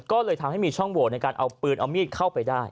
ก็เลยทำให้มีช่องโหวตในการเอาปืนเอามีดเข้าไปได้